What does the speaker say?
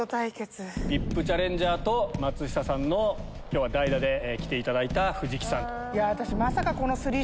ＶＩＰチャレンジャーと松下さんの今日は代打で来ていただいた藤木さん。